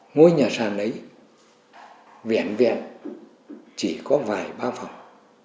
ngôi nhà sản ấy vẹn vẹn chỉ có vài ba phòng